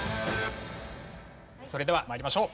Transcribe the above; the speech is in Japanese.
それでは参りましょう。